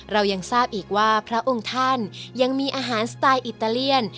เรายังทราบอีกว่าพระองค์ท่านยังมีอาหารสไตล์อิตาเลียน